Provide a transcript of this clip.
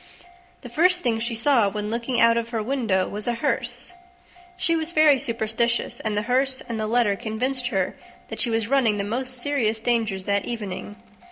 The first thing she saw, when looking out of her window, was a hearse. She was very superstitious; and the hearse and the letter convinced her that she was running the most serious dangers that evening.